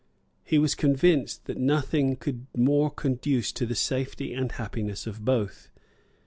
He was convinced that nothing could more conduce to the safety and happiness of both.